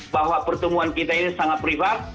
bahwa pertemuan kita ini sangat privat